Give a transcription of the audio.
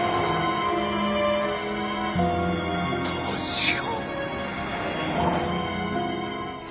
どうしよう。